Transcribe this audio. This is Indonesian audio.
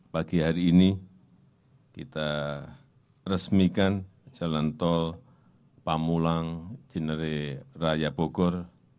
pagi hari ini kita resmikan jalan tol pamulang cinere bogor